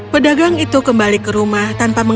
pedagang itu kembali ke rumah